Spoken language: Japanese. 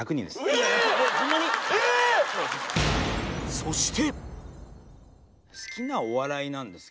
そして。